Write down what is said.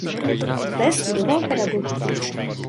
Poté studoval pedagogiku.